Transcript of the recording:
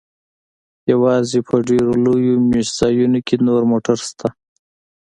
یوازې په ډیرو لویو میشت ځایونو کې نور موټر شته